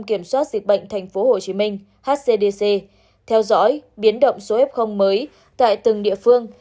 kiểm soát dịch bệnh tp hcm hcdc theo dõi biến động số f mới tại từng địa phương